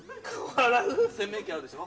洗面器あるでしょ？